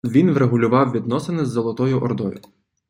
Він врегулював відносини з Золотою Ордою.